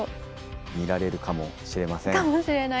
見られるかもしれません。